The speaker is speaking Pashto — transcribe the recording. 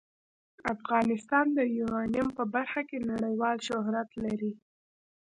افغانستان د یورانیم په برخه کې نړیوال شهرت لري.